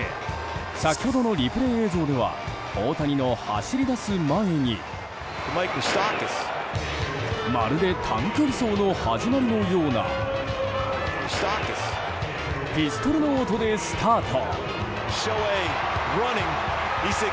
先ほどのリプレー映像では大谷の走り出す前にまるで短距離走の始まりのようなピストルの音でスタート！